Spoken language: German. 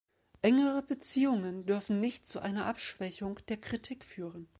Engere Beziehungen dürfen nicht zu einer Abschwächung der Kritik führen.